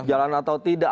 jalan atau tidak